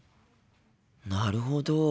なるほど。